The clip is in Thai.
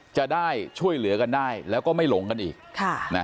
จะได้ช่วยเหลือกันได้แล้วก็ไม่หลงกันอีก